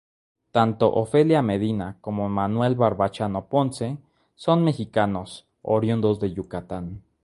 Tanto Ofelia Medina, como Manuel Barbachano Ponce son mexicanos, oriundos de Yucatán.